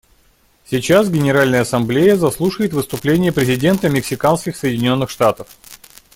Сейчас Генеральная Ассамблея заслушает выступление президента Мексиканских Соединенных Штатов.